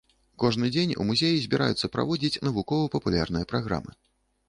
Кожны дзень у музеі збіраюцца праводзіць навукова-папулярныя праграмы.